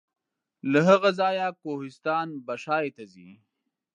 له هغه ځایه کوهستان بشای ته ځي.